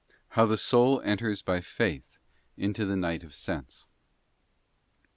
How the soul enters by faith into the night of sense.